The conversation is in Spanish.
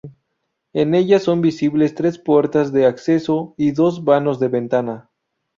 En ella son visibles tres puertas de acceso y dos vanos de ventana.